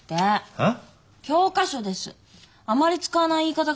えっ？